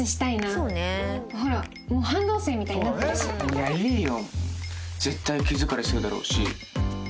いやいいよ！